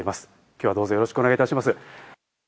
今日はどうぞよろしくお願いいたします。